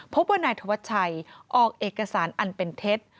พบว่านายธวัชชัยออกเอกสารอันเป็นเท็จ